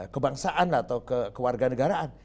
kebangsaan atau kewarganegaraan